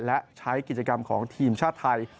และใช้กิจกรรมของทีมชาติไทย